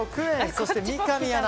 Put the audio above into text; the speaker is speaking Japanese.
そして、三上アナ